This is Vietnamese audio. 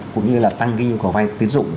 cũng như là tăng cái nhu cầu vay tiến dụng